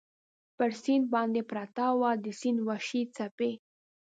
پر سیند باندې پرته وه، د سیند وحشي څپې.